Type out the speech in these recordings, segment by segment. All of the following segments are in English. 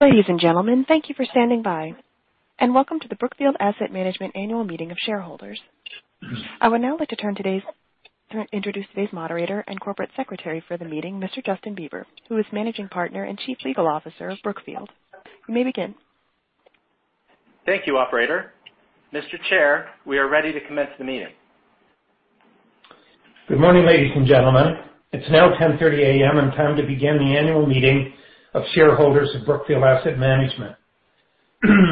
Ladies and gentlemen, thank you for standing by and welcome to the Brookfield Asset Management Annual Meeting of Shareholders. I would now like to introduce today's moderator and Corporate Secretary for the meeting, Mr. Justin Beber, who is Managing Partner and Chief Legal Officer of Brookfield. You may begin. Thank you, operator. Mr. Chair, we are ready to commence the meeting. Good morning, ladies and gentlemen. It's now 10:30 A.M. and time to begin the annual meeting of shareholders of Brookfield Asset Management.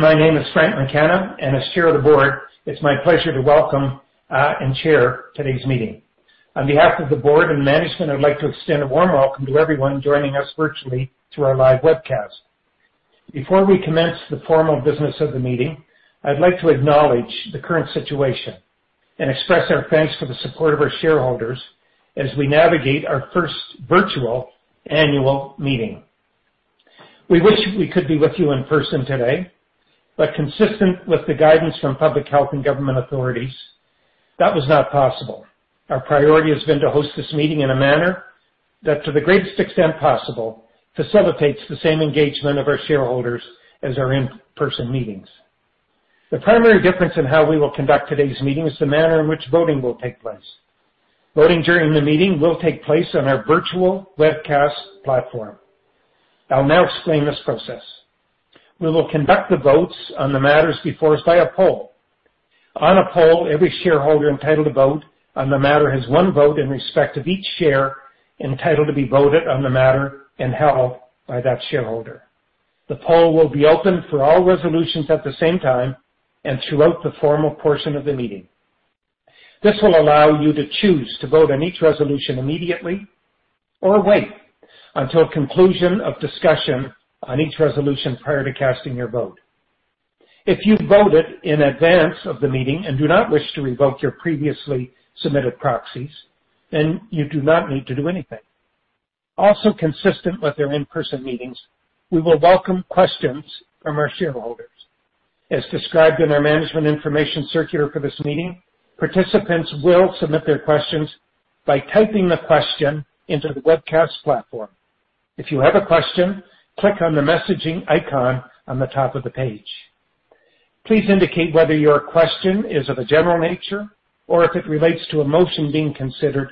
My name is Frank McKenna, and as Chair of the Board, it's my pleasure to welcome, and Chair today's meeting. On behalf of the Board and Management, I'd like to extend a warm welcome to everyone joining us virtually through our live webcast. Before we commence the formal business of the meeting, I'd like to acknowledge the current situation and express our thanks for the support of our shareholders as we navigate our first virtual annual meeting. We wish we could be with you in person today, but consistent with the guidance from public health and government authorities, that was not possible. Our priority has been to host this meeting in a manner that, to the greatest extent possible, facilitates the same engagement of our shareholders as our in-person meetings. The primary difference in how we will conduct today's meeting is the manner in which voting will take place. Voting during the meeting will take place on our virtual webcast platform. I'll now explain this process. We will conduct the votes on the matters before us by a poll. On a poll, every shareholder entitled to vote on the matter has one vote in respect of each share entitled to be voted on the matter and held by that shareholder. The poll will be open for all resolutions at the same time and throughout the formal portion of the meeting. This will allow you to choose to vote on each resolution immediately or wait until conclusion of discussion on each resolution prior to casting your vote. If you voted in advance of the meeting and do not wish to revoke your previously submitted proxies, then you do not need to do anything. Also consistent with our in-person meetings, we will welcome questions from our shareholders. As described in our management information circular for this meeting, participants will submit their questions by typing the question into the webcast platform. If you have a question, click on the messaging icon on the top of the page. Please indicate whether your question is of a general nature or if it relates to a motion being considered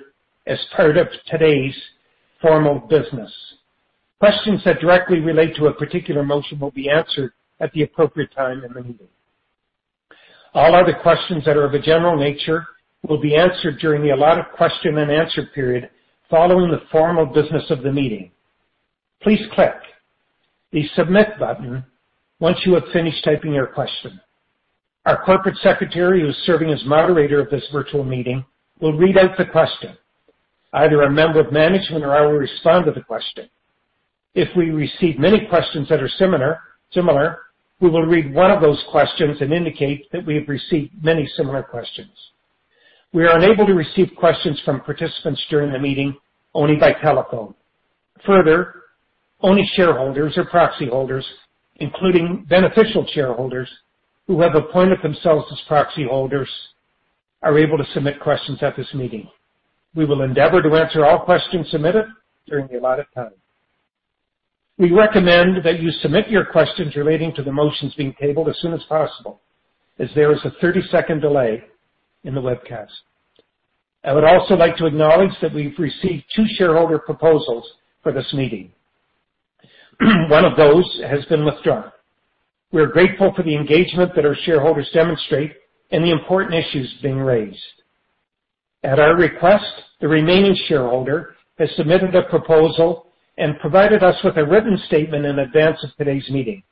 as part of today's formal business. Questions that directly relate to a particular motion will be answered at the appropriate time in the meeting. All other questions that are of a general nature will be answered during the allotted question and answer period following the formal business of the meeting. Please click the submit button once you have finished typing your question. Our Corporate Secretary, who is serving as moderator of this virtual meeting, will read out the question. Either a member of management or I will respond to the question. If we receive many questions that are similar, we will read one of those questions and indicate that we have received many similar questions. We are unable to receive questions from participants during the meeting, only by telephone. Further, only shareholders or proxy holders, including beneficial shareholders who have appointed themselves as proxy holders, are able to submit questions at this meeting. We will endeavor to answer all questions submitted during the allotted time. We recommend that you submit your questions relating to the motions being tabled as soon as possible, as there is a 30-second delay in the webcast. I would also like to acknowledge that we've received two shareholder proposals for this meeting. One of those has been withdrawn. We are grateful for the engagement that our shareholders demonstrate and the important issues being raised. At our request, the remaining shareholder has submitted a proposal and provided us with a written statement in advance of today's meeting.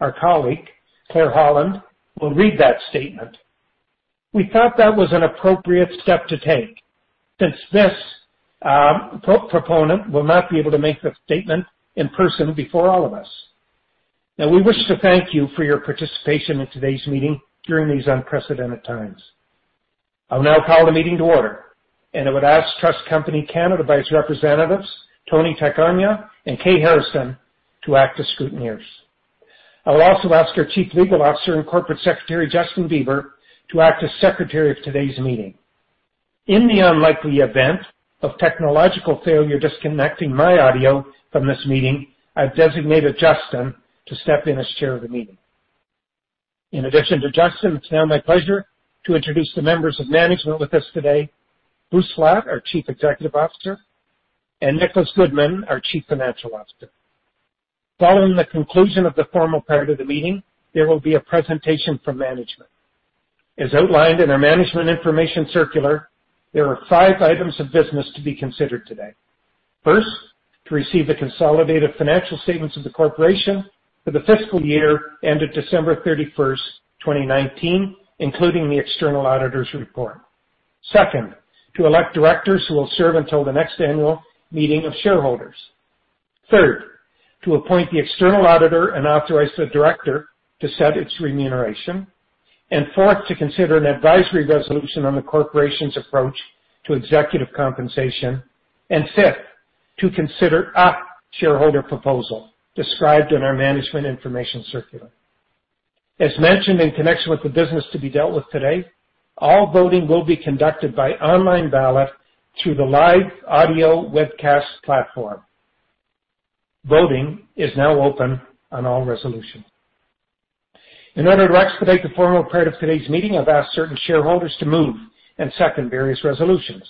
Our colleague, Claire Holland, will read that statement. We thought that was an appropriate step to take since this proponent will not be able to make the statement in person before all of us. We wish to thank you for your participation in today's meeting during these unprecedented times. I'll now call the meeting to order, and I would ask TSX Trust Company by its representatives, Tony Tacogna and Kate Harrison, to act as scrutineers. I will also ask our Chief Legal Officer and Corporate Secretary, Justin Beber, to act as secretary of today's meeting. In the unlikely event of technological failure disconnecting my audio from this meeting, I've designated Justin to step in as Chair of the meeting. In addition to Justin, it's now my pleasure to introduce the members of management with us today, Bruce Flatt, our Chief Executive Officer, and Nicholas Goodman, our Chief Financial Officer. Following the conclusion of the formal part of the meeting, there will be a presentation from management. As outlined in our management information circular, there are five items of business to be considered today. First, to receive the consolidated financial statements of the corporation for the fiscal year ended December 31st, 2019, including the external auditor's report. Second, to elect directors who will serve until the next annual meeting of shareholders. Third, to appoint the external auditor and authorize the director to set its remuneration. Fourth, to consider an advisory resolution on the corporation's approach to executive compensation. Fifth, to consider a shareholder proposal described in our management information circular. As mentioned in connection with the business to be dealt with today, all voting will be conducted by online ballot through the live audio webcast platform. Voting is now open on all resolutions. In order to expedite the formal part of today's meeting, I've asked certain shareholders to move and second various resolutions.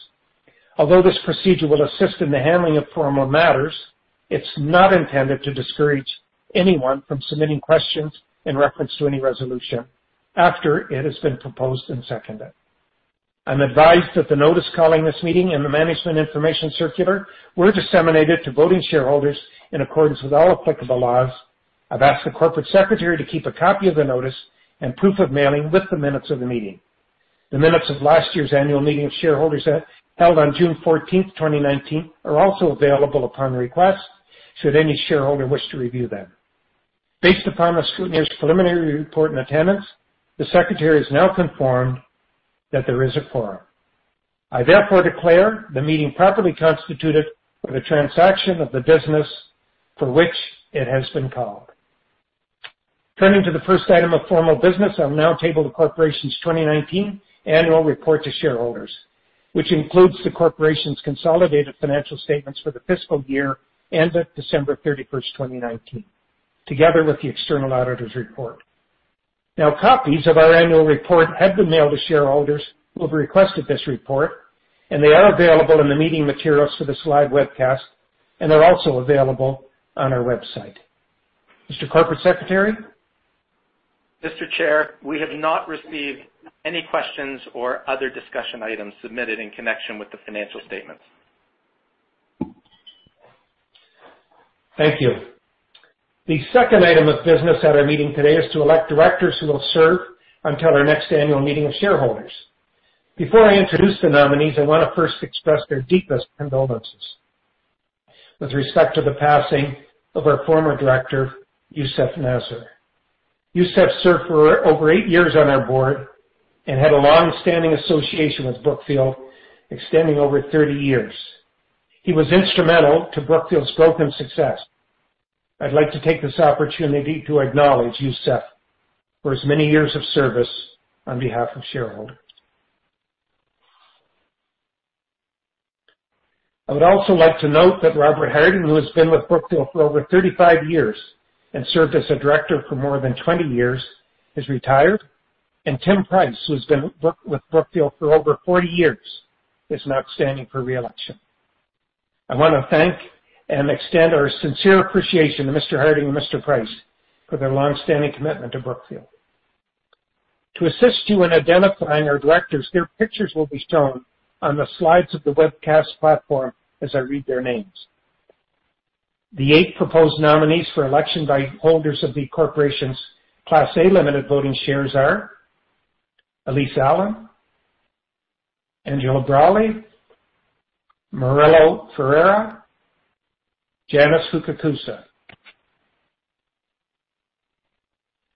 Although this procedure will assist in the handling of formal matters, it's not intended to discourage anyone from submitting questions in reference to any resolution after it has been proposed and seconded. I'm advised that the notice calling this meeting and the management information circular were disseminated to voting shareholders in accordance with all applicable laws. I've asked the Corporate Secretary to keep a copy of the notice and proof of mailing with the minutes of the meeting. The minutes of last year's annual meeting of shareholders held on June 14th, 2019, are also available upon request should any shareholder wish to review them. Based upon the scrutineer's preliminary report and attendance, the secretary has now confirmed that there is a quorum. I therefore declare the meeting properly constituted for the transaction of the business for which it has been called. Turning to the first item of formal business, I will now table the corporation's 2019 annual report to shareholders, which includes the corporation's consolidated financial statements for the fiscal year ended December 31st, 2019, together with the external auditor's report. Now, copies of our annual report have been mailed to shareholders who have requested this report, and they are available in the meeting materials for this live webcast, and are also available on our website. Mr. Corporate Secretary? Mr. Chair, we have not received any questions or other discussion items submitted in connection with the financial statements. Thank you. The second item of business at our meeting today is to elect directors who will serve until our next annual meeting of shareholders. Before I introduce the nominees, I want to first express their deepest condolences with respect to the passing of our Former Director, Youssef Nasr. Youssef served for over eight years on our Board and had a long-standing association with Brookfield extending over 30 years. He was instrumental to Brookfield's growth and success. I'd like to take this opportunity to acknowledge Youssef for his many years of service on behalf of shareholders. I would also like to note that Robert Harding, who has been with Brookfield for over 35 years and served as a Director for more than 20 years, has retired, and Tim Price, who's been with Brookfield for over 40 years, is not standing for re-election. I want to thank and extend our sincere appreciation to Mr. Harding and Mr. Price for their long-standing commitment to Brookfield. To assist you in identifying our Directors, their pictures will be shown on the slides of the webcast platform as I read their names. The eight proposed nominees for election by holders of the corporation's Class A Limited Voting Shares are Elyse Allan, Angela Braly, Murilo Ferreira, Janice Fukakusa,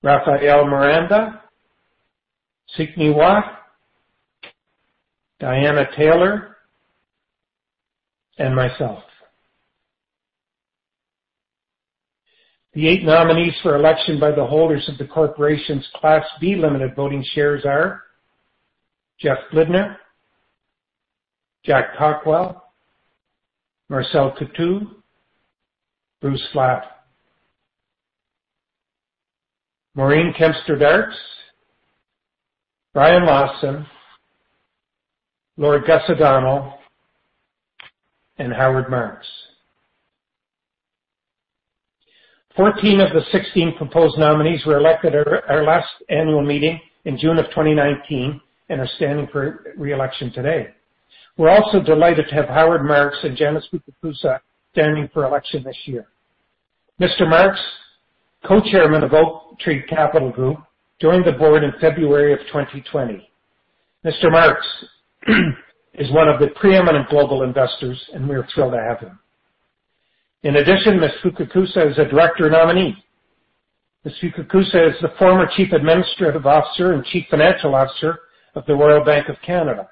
Rafael Miranda, Seek Ngee Huat, Diana Taylor, and myself. The eight nominees for election by the holders of the corporation's Class B Limited Voting Shares are Jeffrey Blidner, Jack Cockwell, Marcel Coutu, Bruce Flatt, Maureen Kempston Darkes, Brian Lawson, Lord Gus O'Donnell, and Howard Marks. 14 of the 16 proposed nominees were elected at our last annual meeting in June of 2019 and are standing for re-election today. We're also delighted to have Howard Marks and Janice Fukakusa standing for election this year. Mr. Marks, Co-Chairman of Oaktree Capital Group, joined the board in February of 2020. Mr. Marks is one of the preeminent global investors, and we are thrilled to have him. In addition, Ms. Fukakusa is a Director nominee. Ms. Fukakusa is the Former Chief Administrative Officer and Chief Financial Officer of the Royal Bank of Canada.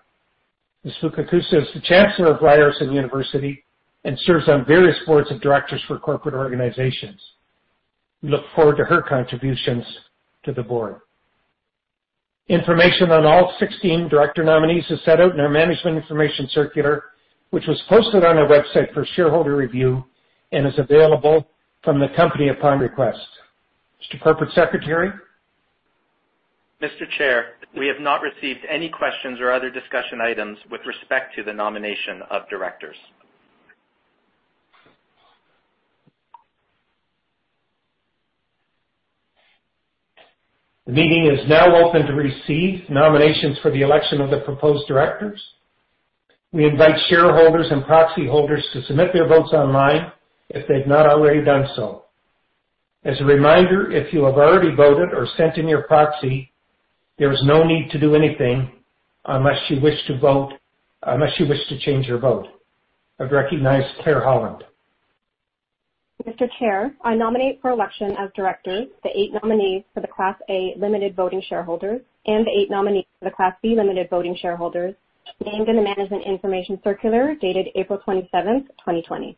Ms. Fukakusa is the Chancellor of Ryerson University and serves on various Boards of Directors for corporate organizations. We look forward to her contributions to the Board. Information on all 16 Director nominees is set out in our management information circular, which was posted on our website for shareholder review and is available from the company upon request. Mr. Corporate Secretary. Mr. Chair, we have not received any questions or other discussion items with respect to the nomination of Directors. The meeting is now open to receive nominations for the election of the proposed Directors. We invite shareholders and proxy holders to submit their votes online if they've not already done so. As a reminder, if you have already voted or sent in your proxy, there is no need to do anything unless you wish to change your vote. I would recognize Claire Holland. Mr. Chair, I nominate for election as Director the eight nominees for the Class A Limited Voting Shareholders and the eight nominees for the Class B Limited Voting Shareholders named in the Management Information Circular dated April 27, 2020.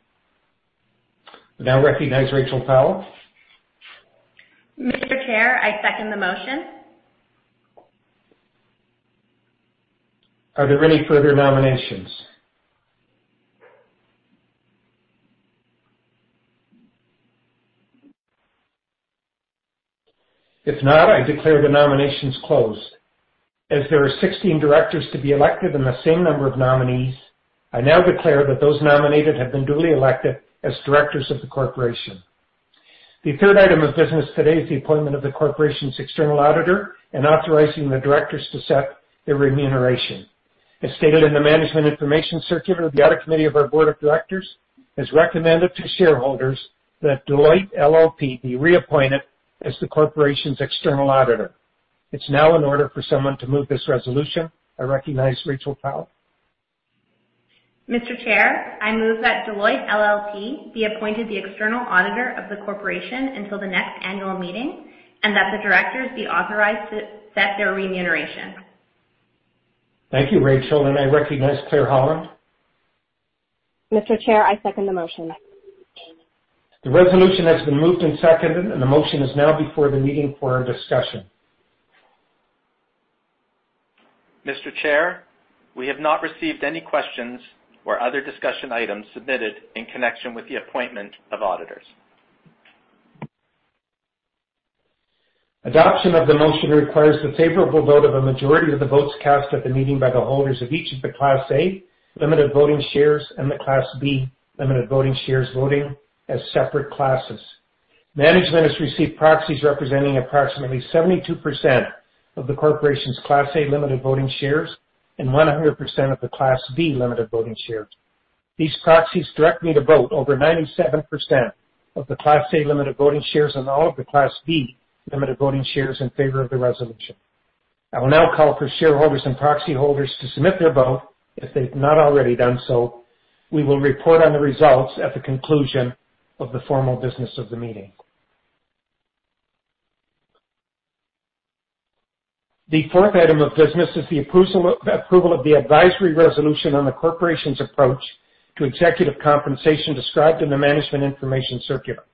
I now recognize Rachel Powell. Mr. Chair, I second the motion. Are there any further nominations? If not, I declare the nominations closed. As there are 16 Directors to be elected and the same number of nominees, I now declare that those nominated have been duly elected as Directors of the corporation. The third item of business today is the appointment of the Corporation's External Auditor and authorizing the Directors to set their remuneration. As stated in the management information circular, the audit committee of our Board of Directors has recommended to shareholders that Deloitte LLP be reappointed as the Corporation's External Auditor. It's now in order for someone to move this resolution. I recognize Rachel Powell. Mr. Chair, I move that Deloitte LLP be appointed the External Auditor of the corporation until the next annual meeting, and that the directors be authorized to set their remuneration. Thank you, Rachel, and I recognize Claire Holland. Mr. Chair, I second the motion. The resolution has been moved and seconded, and the motion is now before the meeting for our discussion. Mr. Chair, we have not received any questions or other discussion items submitted in connection with the appointment of Auditors. Adoption of the motion requires the favorable vote of a majority of the votes cast at the meeting by the holders of each of the Class A Limited Voting Shares and the Class B Limited Voting Shares, voting as separate classes. Management has received proxies representing approximately 72% of the corporation's Class A Limited Voting Shares and 100% of the Class B Limited Voting Shares. These proxies direct me to vote over 97% of the Class A Limited Voting Shares and all of the Class B Limited Voting Shares in favor of the resolution. I will now call for shareholders and proxy holders to submit their vote if they've not already done so. We will report on the results at the conclusion of the formal business of the meeting. The fourth item of business is the approval of the advisory resolution on the corporation's approach to executive compensation described in the management information circular.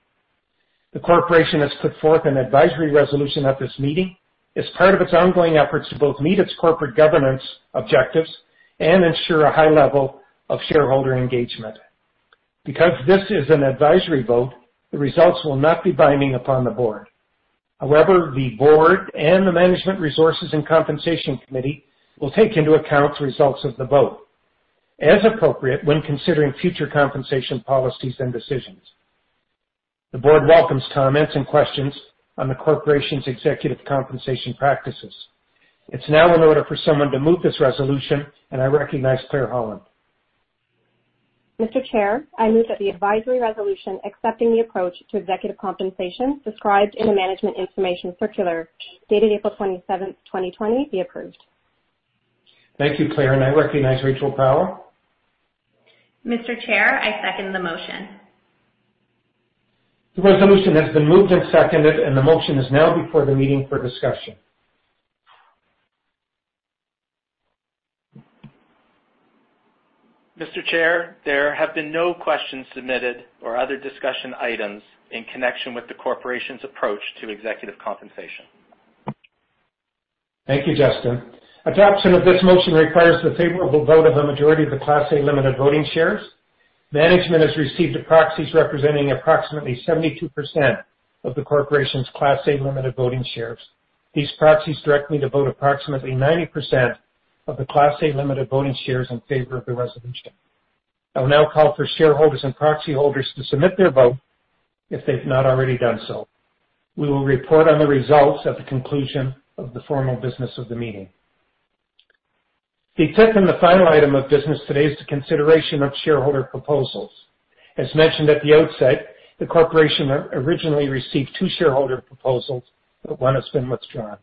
The corporation has put forth an advisory resolution at this meeting as part of its ongoing efforts to both meet its corporate governance objectives and ensure a high level of shareholder engagement. Because this is an advisory vote, the results will not be binding upon the Board. However, the Board and the Management resources and compensation committee will take into account the results of the vote as appropriate when considering future compensation policies and decisions. The Board welcomes comments and questions on the corporation's executive compensation practices. It's now in order for someone to move this resolution, and I recognize Claire Holland. Mr. Chair, I move that the advisory resolution accepting the approach to executive compensation described in the management information circular, dated April 27th, 2020, be approved. Thank you, Claire, and I recognize Rachel Powell. Mr. Chair, I second the motion. The resolution has been moved and seconded. The motion is now before the meeting for discussion. Mr. Chair, there have been no questions submitted or other discussion items in connection with the corporation's approach to executive compensation. Thank you, Justin. Adoption of this motion requires the favorable vote of a majority of the Class A Limited Voting Shares. Management has received proxies representing approximately 72% of the corporation's Class A Limited Voting Shares. These proxies direct me to vote approximately 90% of the Class A Limited Voting Shares in favor of the resolution. I will now call for shareholders and proxy holders to submit their vote if they've not already done so. We will report on the results at the conclusion of the formal business of the meeting. The fifth and the final item of business today is the consideration of shareholder proposals. As mentioned at the outset, the corporation originally received two shareholder proposals, but one has been withdrawn.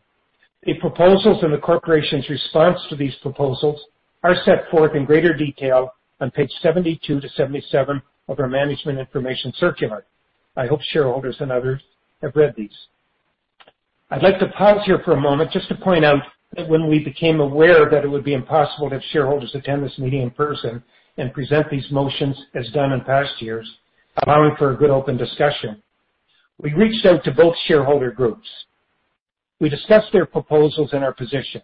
The proposals and the corporation's response to these proposals are set forth in greater detail on page 72 to 77 of our management information circular. I hope shareholders and others have read these. I'd like to pause here for a moment just to point out that when we became aware that it would be impossible to have shareholders attend this meeting in person and present these motions as done in past years, allowing for a good open discussion, we reached out to both shareholder groups. We discussed their proposals and our position.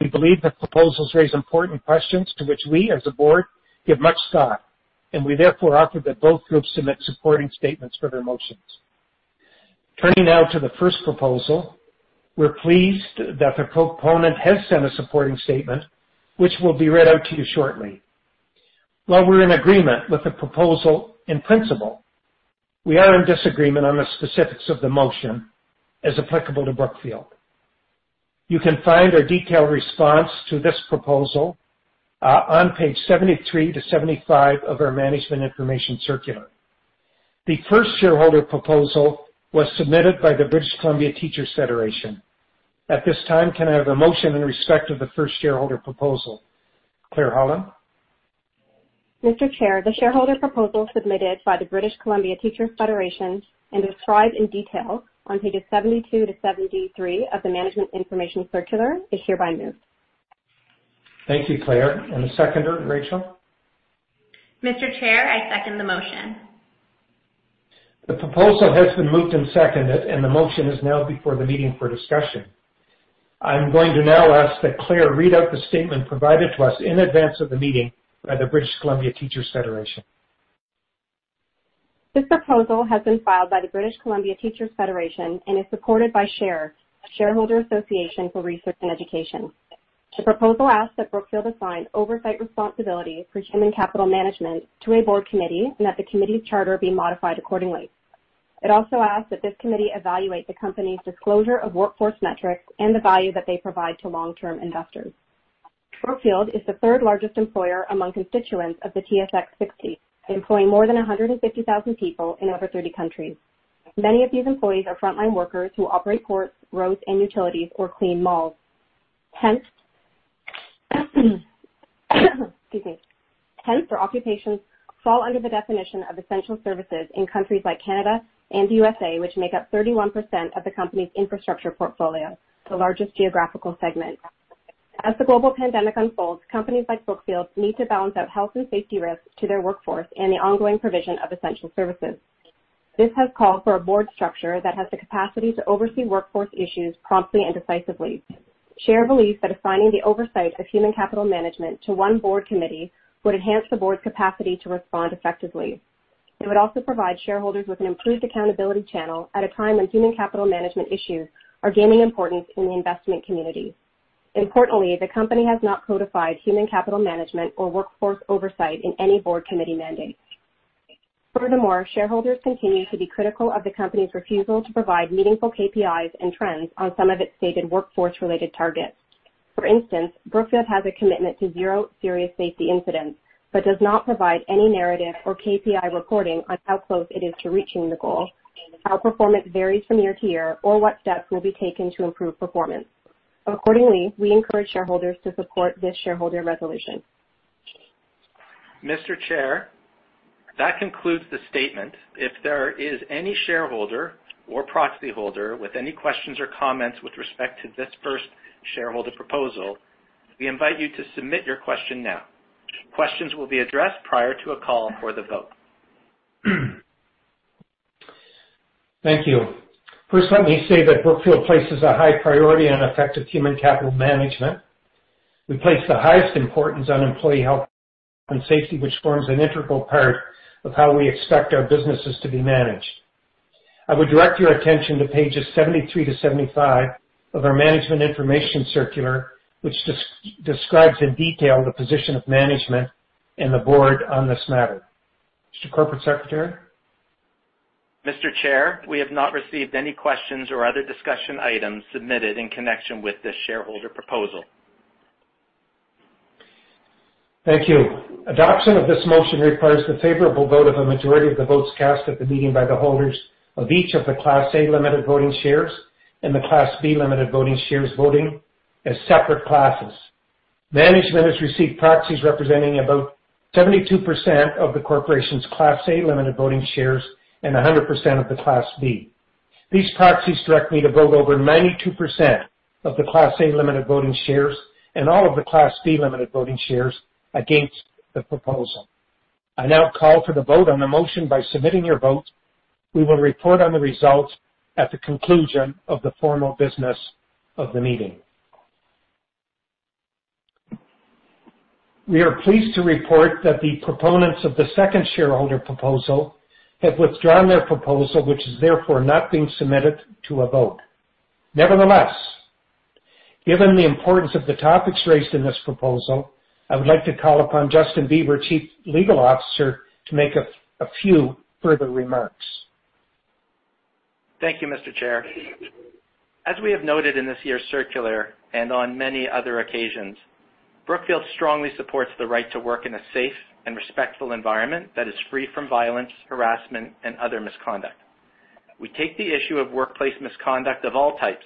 We believe that proposals raise important questions to which we, as a Board, give much thought, and we therefore offered that both groups submit supporting statements for their motions. Turning now to the first proposal, we're pleased that the proponent has sent a supporting statement, which will be read out to you shortly. While we're in agreement with the proposal in principle, we are in disagreement on the specifics of the motion as applicable to Brookfield. You can find our detailed response to this proposal on page 73-75 of our management information circular. The first shareholder proposal was submitted by the British Columbia Teachers' Federation. At this time, can I have a motion in respect of the first shareholder proposal? Claire Holland. Mr. Chair, the shareholder proposal submitted by the British Columbia Teachers' Federation and described in detail on pages 72-73 of the management information circular is hereby moved. Thank you, Claire. The seconder, Rachel? Mr. Chair, I second the motion. The proposal has been moved and seconded, and the motion is now before the meeting for discussion. I am going to now ask that Claire read out the statement provided to us in advance of the meeting by the British Columbia Teachers' Federation. This proposal has been filed by the British Columbia Teachers' Federation and is supported by SHARE, a Shareholder Association for Research and Education. The proposal asks that Brookfield assign oversight responsibility for human capital management to a board committee, and that the committee's charter be modified accordingly. It also asks that this committee evaluate the company's disclosure of workforce metrics and the value that they provide to long-term investors. Brookfield is the third-largest employer among constituents of the TSX 60, employing more than 150,000 people in over 30 countries. Many of these employees are frontline workers who operate ports, roads, and utilities, or clean malls. Hence, excuse me. Hence, their occupations fall under the definition of essential services in countries like Canada and the U.S.A., which make up 31% of the company's infrastructure portfolio, the largest geographical segment. As the global pandemic unfolds, companies like Brookfield need to balance out health and safety risks to their workforce and the ongoing provision of essential services. This has called for a Board structure that has the capacity to oversee workforce issues promptly and decisively. SHARE believes that assigning the oversight of human capital management to one Board committee would enhance the Board's capacity to respond effectively. It would also provide shareholders with an improved accountability channel at a time when human capital management issues are gaining importance in the investment community. Importantly, the company has not codified human capital management or workforce oversight in any Board committee mandate. Furthermore, shareholders continue to be critical of the company's refusal to provide meaningful KPIs and trends on some of its stated workforce-related targets. Brookfield has a commitment to zero serious safety incidents but does not provide any narrative or KPI reporting on how close it is to reaching the goal, how performance varies from year-to-year, or what steps will be taken to improve performance. We encourage shareholders to support this shareholder resolution. Mr. Chair, that concludes the statement. If there is any shareholder or proxy holder with any questions or comments with respect to this first shareholder proposal, we invite you to submit your question now. Questions will be addressed prior to a call for the vote. Thank you. First, let me say that Brookfield places a high priority on effective human capital management. We place the highest importance on employee health and safety, which forms an integral part of how we expect our businesses to be managed. I would direct your attention to pages 73-75 of our management information circular, which describes in detail the position of Management and the Board on this matter. Mr. Corporate Secretary. Mr. Chair, we have not received any questions or other discussion items submitted in connection with this shareholder proposal. Thank you. Adoption of this motion requires the favorable vote of a majority of the votes cast at the meeting by the holders of each of the Class A Limited Voting Shares and the Class B Limited Voting Shares voting as separate classes. Management has received proxies representing about 72% of the corporation's Class A Limited Voting Shares and 100% of the Class B. These proxies direct me to vote over 92% of the Class A Limited Voting Shares and all of the Class B Limited Voting Shares against the proposal. I now call for the vote on the motion by submitting your vote. We will report on the results at the conclusion of the formal business of the meeting. We are pleased to report that the proponents of the second shareholder proposal have withdrawn their proposal, which is therefore not being submitted to a vote. Nevertheless, given the importance of the topics raised in this proposal, I would like to call upon Justin Beber, Chief Legal Officer, to make a few further remarks. Thank you, Mr. Chair. As we have noted in this year's circular and on many other occasions, Brookfield strongly supports the right to work in a safe and respectful environment that is free from violence, harassment, and other misconduct. We take the issue of workplace misconduct of all types,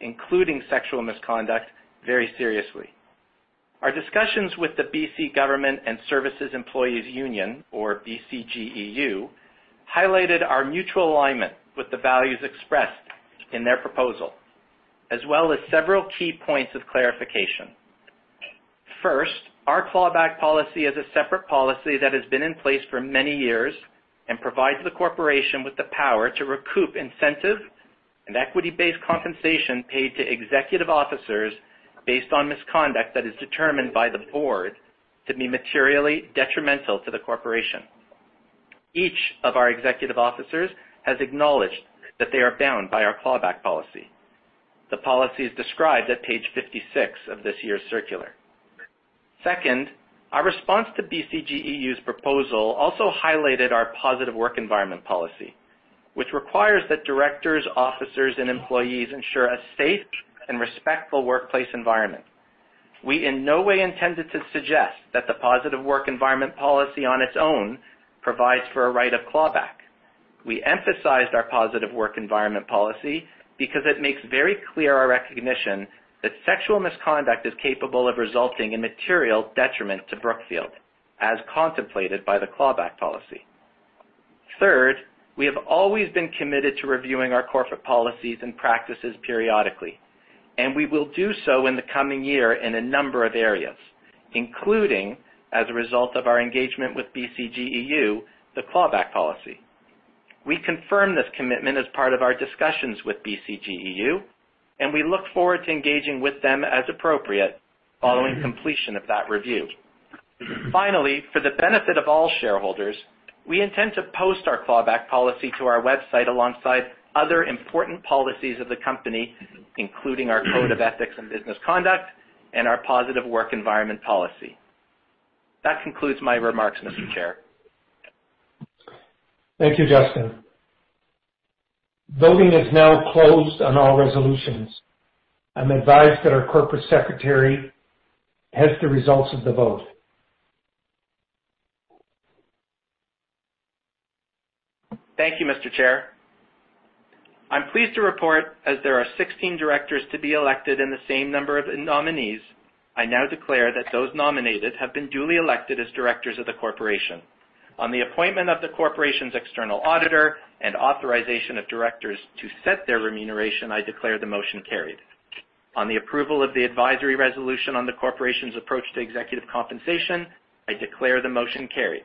including sexual misconduct, very seriously. Our discussions with the BC Government and Service Employees' Union, or BCGEU, highlighted our mutual alignment with the values expressed in their proposal, as well as several key points of clarification. First, our clawback policy is a separate policy that has been in place for many years and provides the corporation with the power to recoup incentives and equity-based compensation paid to executive officers based on misconduct that is determined by the Board to be materially detrimental to the corporation. Each of our executive officers has acknowledged that they are bound by our clawback policy. The policy is described on page 56 of this year's circular. Second, our response to BCGEU's proposal also highlighted our positive work environment policy, which requires that directors, officers, and employees ensure a safe and respectful workplace environment. We in no way intended to suggest that the positive work environment policy on its own provides for a right of clawback. We emphasized our positive work environment policy because it makes very clear our recognition that sexual misconduct is capable of resulting in material detriment to Brookfield, as contemplated by the clawback policy. Third, we have always been committed to reviewing our corporate policies and practices periodically, and we will do so in the coming year in a number of areas, including as a result of our engagement with BCGEU, the clawback policy. We confirm this commitment as part of our discussions with BCGEU, and we look forward to engaging with them as appropriate following completion of that review. Finally, for the benefit of all shareholders, we intend to post our clawback policy to our website alongside other important policies of the company, including our code of ethics and business conduct and our positive work environment policy. That concludes my remarks, Mr. Chair. Thank you, Justin. Voting is now closed on all resolutions. I'm advised that our corporate secretary has the results of the vote. Thank you, Mr. Chair. I'm pleased to report as there are 16 Directors to be elected in the same number of nominees, I now declare that those nominated have been duly elected as Directors of the corporation. On the appointment of the corporation's External Auditor and authorization of Directors to set their remuneration, I declare the motion carried. On the approval of the advisory resolution on the corporation's approach to executive compensation, I declare the motion carried.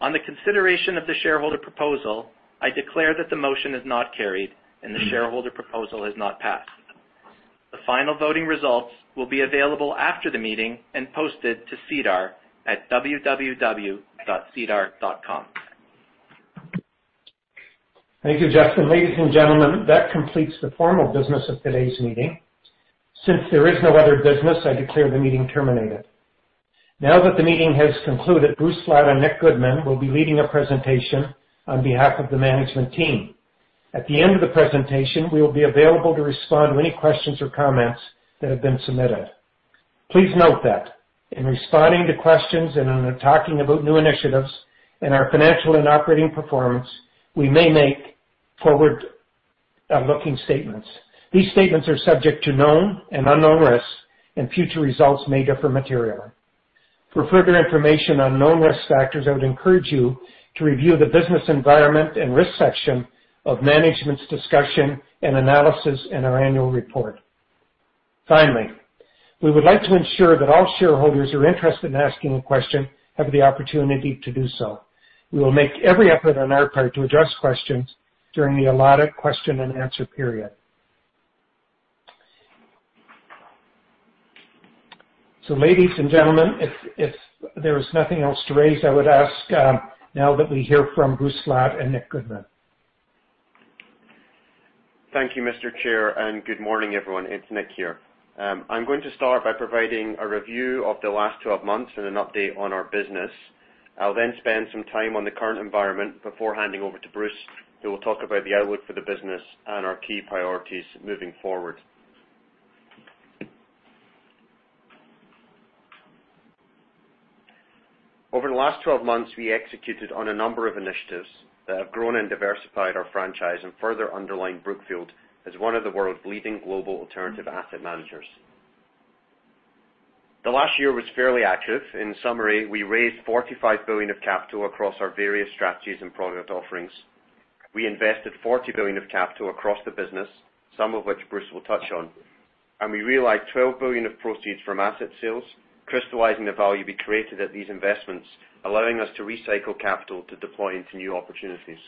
On the consideration of the shareholder proposal, I declare that the motion is not carried and the shareholder proposal has not passed. The final voting results will be available after the meeting and posted to SEDAR at www.sedar.com. Thank you, Justin. Ladies and gentlemen, that completes the formal business of today's meeting. Since there is no other business, I declare the meeting terminated. Now that the meeting has concluded, Bruce Flatt and Nick Goodman will be leading a presentation on behalf of the management team. At the end of the presentation, we will be available to respond to any questions or comments that have been submitted. Please note that in responding to questions and in talking about new initiatives in our financial and operating performance, we may make forward-looking statements. These statements are subject to known and unknown risks, and future results may differ materially. For further information on known risk factors, I would encourage you to review the business environment and risk section of Management's Discussion and Analysis in our annual report. Finally, we would like to ensure that all shareholders who are interested in asking a question have the opportunity to do so. We will make every effort on our part to address questions during the allotted question and answer period. Ladies and gentlemen, if there is nothing else to raise, I would ask now that we hear from Bruce Flatt and Nick Goodman. Thank you, Mr. Chair, and good morning, everyone. It's Nick here. I'm going to start by providing a review of the last 12 months and an update on our business. I'll then spend some time on the current environment before handing over to Bruce, who will talk about the outlook for the business and our key priorities moving forward. Over the last 12 months, we executed on a number of initiatives that have grown and diversified our franchise and further underlined Brookfield as one of the world's leading global alternative asset managers. The last year was fairly active. In summary, we raised $45 billion of capital across our various strategies and product offerings. We invested $40 billion of capital across the business, some of which Bruce will touch on. We realized $12 billion of proceeds from asset sales, crystallizing the value we created at these investments, allowing us to recycle capital to deploy into new opportunities.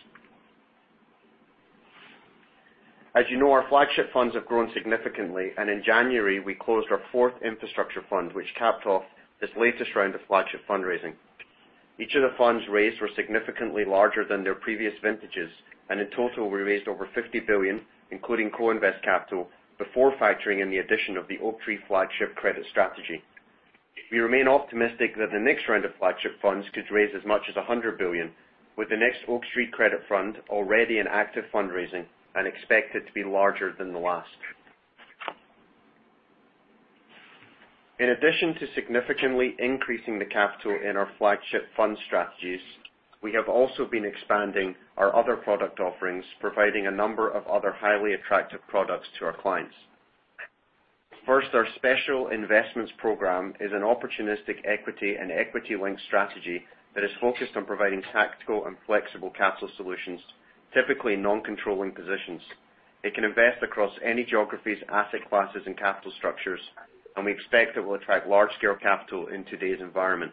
As you know, our flagship funds have grown significantly, and in January, we closed our fourth infrastructure fund, which capped off this latest round of flagship fundraising. Each of the funds raised were significantly larger than their previous vintages, and in total, we raised over $50 billion, including co-invest capital, before factoring in the addition of the Oaktree flagship credit strategy. We remain optimistic that the next round of flagship funds could raise as much as $100 billion with the next Oaktree credit fund already in active fundraising and expected to be larger than the last. In addition to significantly increasing the capital in our flagship fund strategies, we have also been expanding our other product offerings, providing a number of other highly attractive products to our clients. First, our special investments program is an opportunistic equity and equity-linked strategy that is focused on providing tactical and flexible capital solutions, typically in non-controlling positions. It can invest across any geographies, asset classes, and capital structures, and we expect it will attract large-scale capital in today's environment.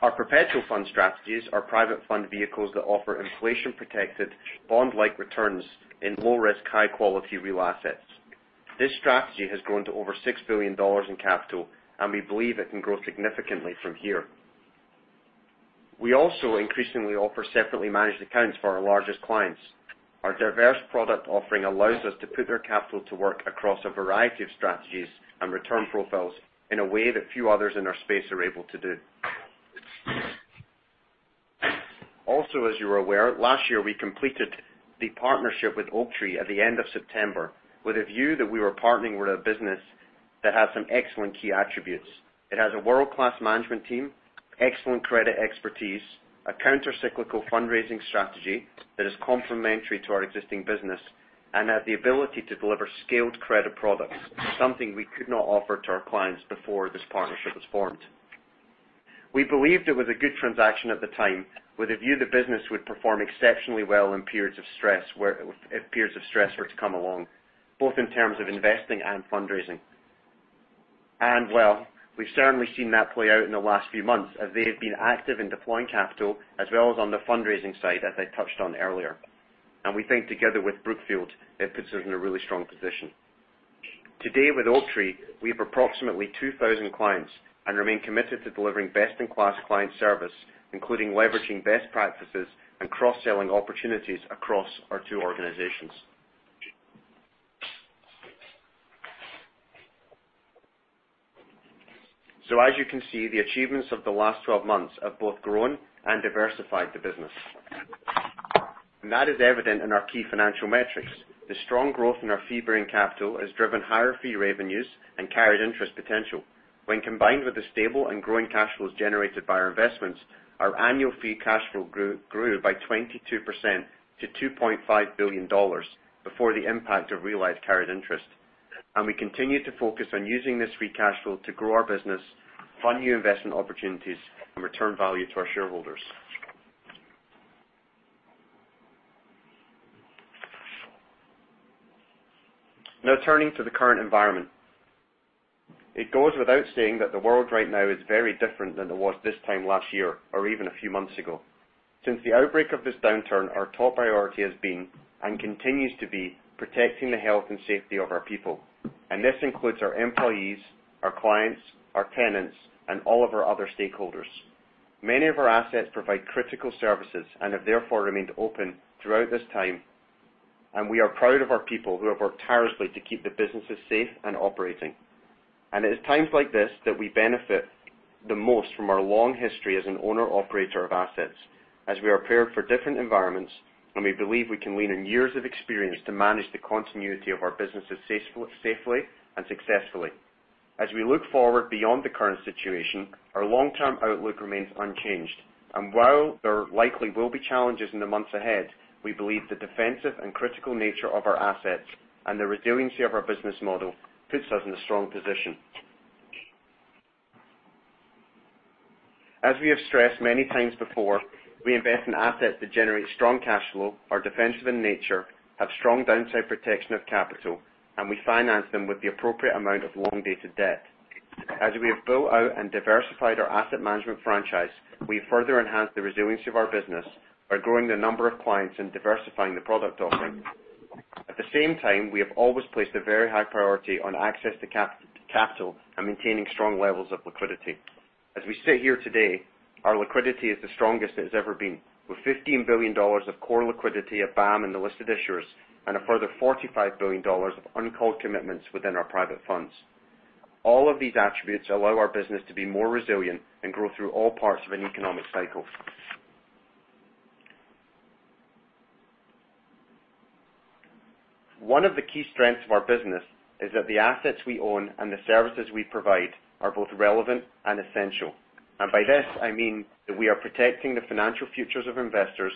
Our perpetual fund strategies are private fund vehicles that offer inflation-protected bond-like returns in low-risk, high-quality real assets. This strategy has grown to over $6 billion in capital, and we believe it can grow significantly from here. We also increasingly offer separately managed accounts for our largest clients. Our diverse product offering allows us to put their capital to work across a variety of strategies and return profiles in a way that few others in our space are able to do. Also, as you are aware, last year, we completed the partnership with Oaktree at the end of September with a view that we were partnering with a business that has some excellent key attributes. It has a world-class management team, excellent credit expertise, a countercyclical fundraising strategy that is complementary to our existing business. It had the ability to deliver scaled credit products, something we could not offer to our clients before this partnership was formed. We believed it was a good transaction at the time, with a view the business would perform exceptionally well in periods of stress were to come along, both in terms of investing and fundraising. Well, we've certainly seen that play out in the last few months as they have been active in deploying capital as well as on the fundraising side, as I touched on earlier. We think together with Brookfield, it puts us in a really strong position. Today with Oaktree, we have approximately 2,000 clients and remain committed to delivering best-in-class client service, including leveraging best practices and cross-selling opportunities across our two organizations. As you can see, the achievements of the last 12 months have both grown and diversified the business. That is evident in our key financial metrics. The strong growth in our fee-bearing capital has driven higher fee revenues and carried interest potential. When combined with the stable and growing cash flows generated by our investments, our annual fee cash flow grew by 22% to $2.5 billion before the impact of realized carried interest. We continue to focus on using this free cash flow to grow our business, fund new investment opportunities, and return value to our shareholders. Now turning to the current environment. It goes without saying that the world right now is very different than it was this time last year or even a few months ago. Since the outbreak of this downturn, our top priority has been, and continues to be, protecting the health and safety of our people. This includes our employees, our clients, our tenants, and all of our other stakeholders. Many of our assets provide critical services and have therefore remained open throughout this time. We are proud of our people who have worked tirelessly to keep the businesses safe and operating. It is times like this that we benefit the most from our long history as an owner/operator of assets as we are prepared for different environments, and we believe we can lean on years of experience to manage the continuity of our businesses safely and successfully. As we look forward beyond the current situation, our long-term outlook remains unchanged. While there likely will be challenges in the months ahead, we believe the defensive and critical nature of our assets and the resiliency of our business model puts us in a strong position. As we have stressed many times before, we invest in assets that generate strong cash flow, are defensive in nature, have strong downside protection of capital, and we finance them with the appropriate amount of long-dated debt. As we have built out and diversified our asset management franchise, we have further enhanced the resiliency of our business by growing the number of clients and diversifying the product offering. At the same time, we have always placed a very high priority on access to capital and maintaining strong levels of liquidity. As we sit here today, our liquidity is the strongest it has ever been, with $15 billion of core liquidity at BAM and the listed issuers and a further $45 billion of uncalled commitments within our private funds. All of these attributes allow our business to be more resilient and grow through all parts of an economic cycle. One of the key strengths of our business is that the assets we own and the services we provide are both relevant and essential. By this, I mean that we are protecting the financial futures of investors,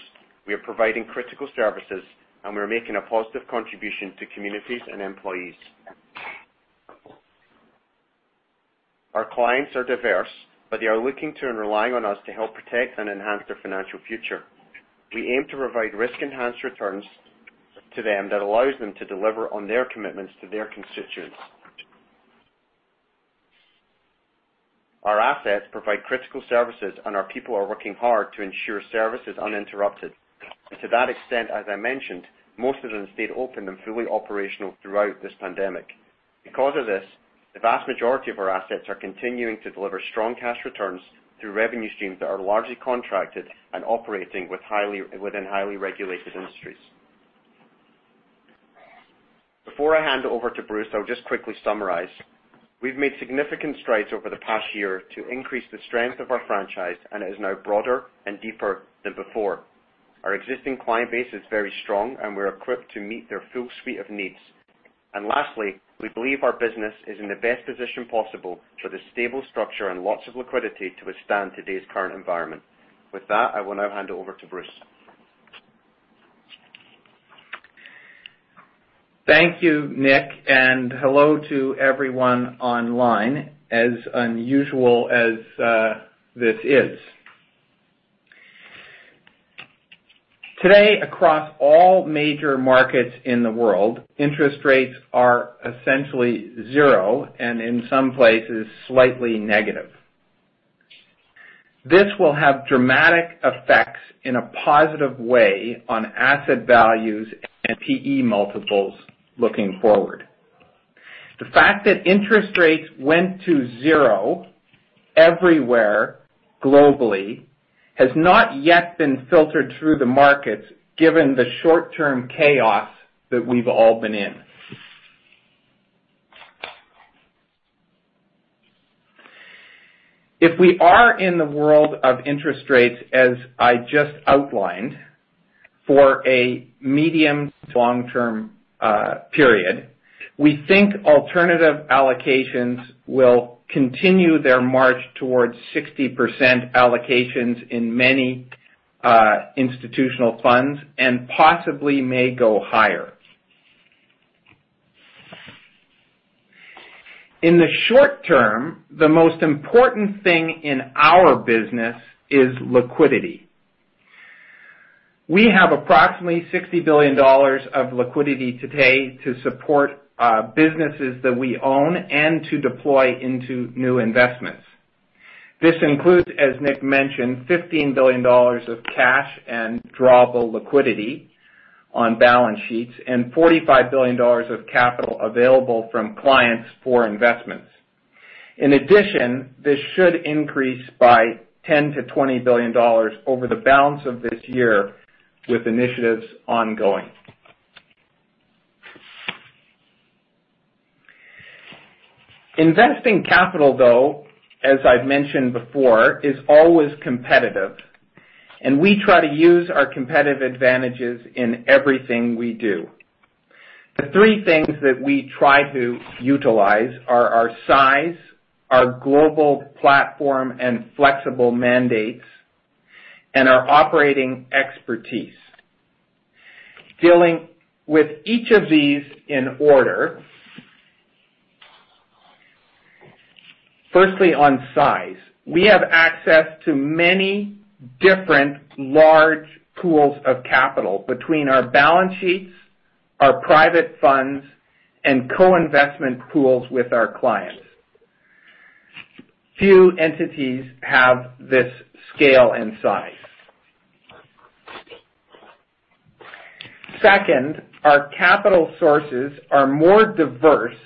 we are providing critical services, and we're making a positive contribution to communities and employees. Our clients are diverse, but they are looking to and relying on us to help protect and enhance their financial future. We aim to provide risk-enhanced returns to them that allows them to deliver on their commitments to their constituents. Our assets provide critical services, and our people are working hard to ensure service is uninterrupted. To that extent, as I mentioned, most of them stayed open and fully operational throughout this pandemic. Because of this, the vast majority of our assets are continuing to deliver strong cash returns through revenue streams that are largely contracted and operating within highly regulated industries. Before I hand it over to Bruce, I'll just quickly summarize. We've made significant strides over the past year to increase the strength of our franchise, and it is now broader and deeper than before. Our existing client base is very strong, and we're equipped to meet their full suite of needs. Lastly, we believe our business is in the best position possible through the stable structure and lots of liquidity to withstand today's current environment. With that, I will now hand it over to Bruce. Thank you, Nick, and hello to everyone online, as unusual as this is. Today, across all major markets in the world, interest rates are essentially zero and in some places slightly negative. This will have dramatic effects in a positive way on asset values and PE multiples looking forward. The fact that interest rates went to zero everywhere globally has not yet been filtered through the markets, given the short-term chaos that we've all been in. If we are in the world of interest rates, as I just outlined, for a medium-to long-term period. We think alternative allocations will continue their march towards 60% allocations in many institutional funds and possibly may go higher. In the short-term, the most important thing in our business is liquidity. We have approximately $60 billion of liquidity today to support businesses that we own and to deploy into new investments. This includes, as Nick mentioned, $15 billion of cash and drawable liquidity on balance sheets and $45 billion of capital available from clients for investments. This should increase by $10 billion-$20 billion over the balance of this year with initiatives ongoing. Investing capital, though, as I've mentioned before, is always competitive, and we try to use our competitive advantages in everything we do. The three things that we try to utilize are our size, our global platform and flexible mandates, and our operating expertise. Dealing with each of these in order. Firstly, on size. We have access to many different large pools of capital between our balance sheets, our private funds, and co-investment pools with our clients. Few entities have this scale and size. Second, our capital sources are more diverse,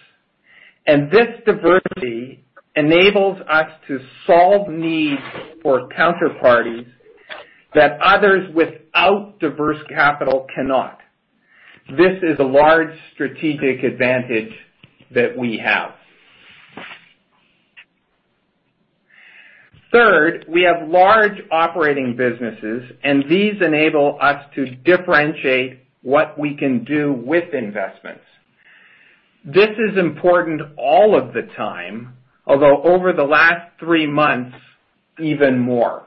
and this diversity enables us to solve needs for counterparties that others without diverse capital cannot. This is a large strategic advantage that we have. Third, we have large operating businesses, and these enable us to differentiate what we can do with investments. This is important all of the time, although over the last three months, even more.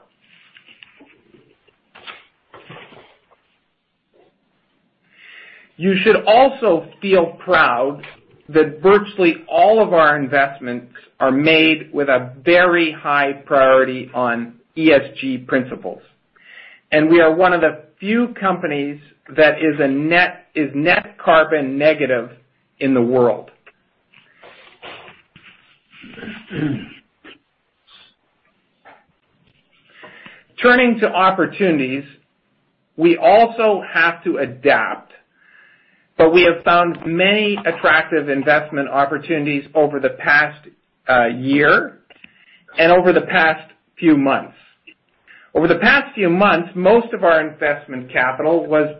You should also feel proud that virtually all of our investments are made with a very high priority on ESG principles. We are one of the few companies that is net carbon negative in the world. Turning to opportunities. We also have to adapt, but we have found many attractive investment opportunities over the past year and over the past few months. Over the past few months, most of our investment capital was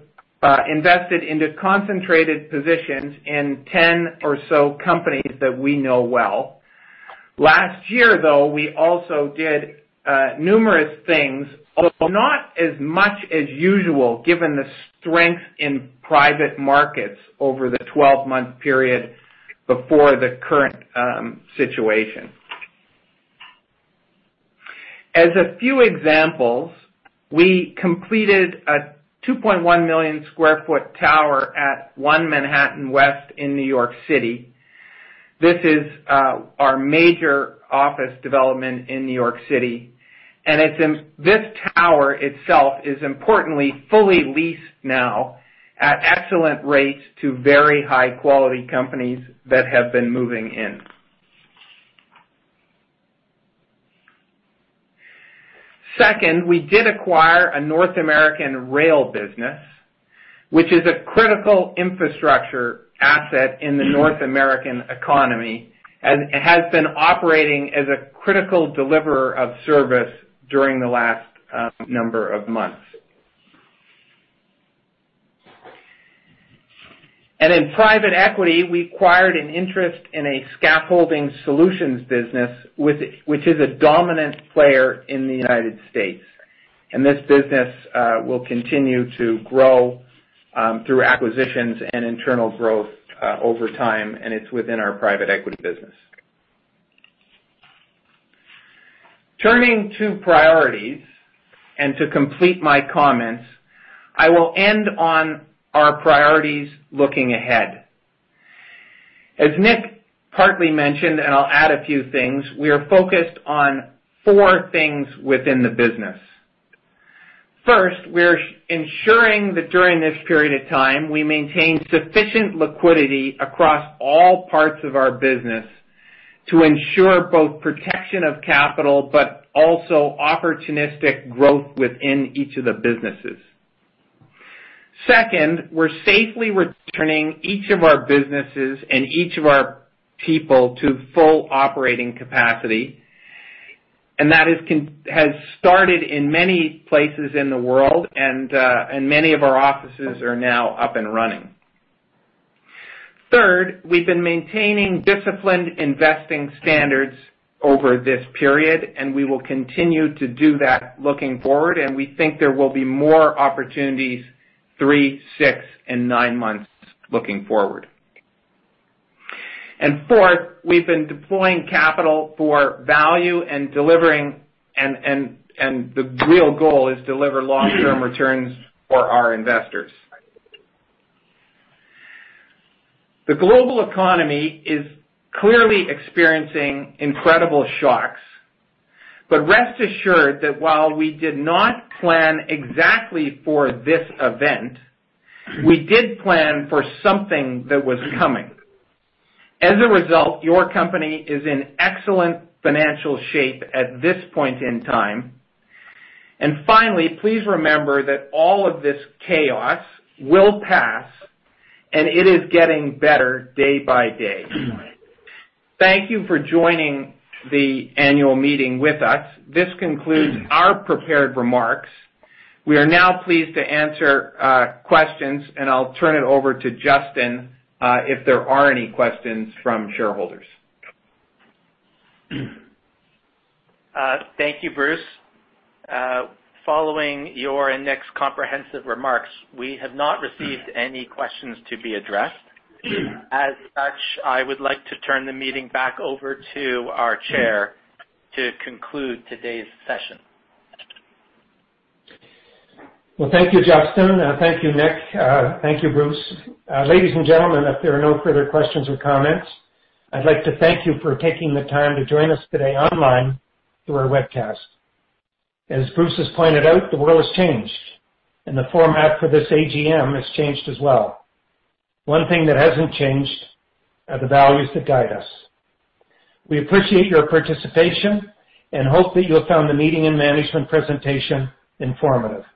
invested into concentrated positions in 10 or so companies that we know well. Last year, we also did numerous things, although not as much as usual, given the strength in private markets over the 12-month period before the current situation. As a few examples, we completed a 2.1 million square foot tower at One Manhattan West in New York City. This is our major office development in New York City, and this tower itself is importantly fully leased now at excellent rates to very high-quality companies that have been moving in. Second, we did acquire a North American rail business, which is a critical infrastructure asset in the North American economy, and it has been operating as a critical deliverer of service during the last number of months. In private equity, we acquired an interest in a scaffolding solutions business, which is a dominant player in the U.S. This business will continue to grow through acquisitions and internal growth over time, and it's within our private equity business. Turning to priorities, and to complete my comments, I will end on our priorities looking ahead. As Nick partly mentioned, and I'll add a few things, we are focused on four things within the business. First, we're ensuring that during this period of time, we maintain sufficient liquidity across all parts of our business to ensure both protection of capital, but also opportunistic growth within each of the businesses. Second, we're safely returning each of our businesses and each of our people to full operating capacity, and that has started in many places in the world, and many of our offices are now up and running. Third, we've been maintaining disciplined investing standards over this period, and we will continue to do that looking forward, and we think there will be more opportunities three, six, and nine months looking forward. Fourth, we've been deploying capital for value and delivering. The real goal is deliver long-term returns for our investors. The global economy is clearly experiencing incredible shocks. Rest assured that while we did not plan exactly for this event, we did plan for something that was coming. As a result, your company is in excellent financial shape at this point in time. Finally, please remember that all of this chaos will pass, and it is getting better day by day. Thank you for joining the annual meeting with us. This concludes our prepared remarks. We are now pleased to answer questions, and I'll turn it over to Justin, if there are any questions from shareholders. Thank you, Bruce. Following your and Nick's comprehensive remarks, we have not received any questions to be addressed. As such, I would like to turn the meeting back over to our Chair to conclude today's session. Well, thank you, Justin. Thank you, Nick. Thank you, Bruce. Ladies and gentlemen, if there are no further questions or comments, I'd like to thank you for taking the time to join us today online through our webcast. As Bruce has pointed out, the world has changed, and the format for this AGM has changed as well. One thing that hasn't changed are the values that guide us. We appreciate your participation and hope that you have found the meeting and management presentation informative.